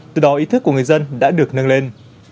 từ đó ý thức của người dân đã được nâng lên